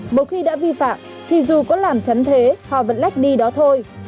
một khi đã vi phạm thì dù có làm chắn thế họ vẫn lách đi đó thôi